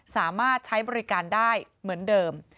สามารถใช้บริการได้เหมือนเดิม